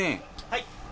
はい。